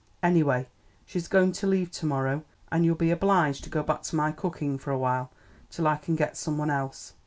Anyway, she's going to leave to morrow, and you'll be obliged to go back to my cooking for a while, till I can get some one else."